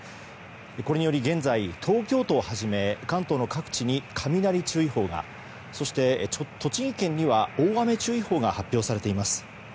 これにより、現在東京都をはじめ関東の各地に雷注意報がそして、栃木県には大雨注意報が発表されています。